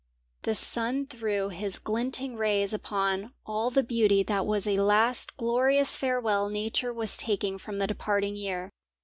The sun threw his glinting rays upon all the beauty that was a last glorious farewell Nature was taking from the departing year.